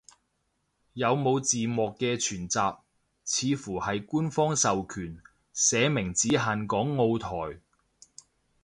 有冇字幕嘅全集，似乎係官方授權，寫明只限港澳台